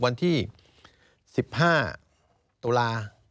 วันที่๑๕ตุลา